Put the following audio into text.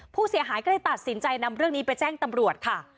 ผู้เสียหายก็เลยตัดสินใจนำเรื่องนี้ไปแจ้งตำรวจค่ะ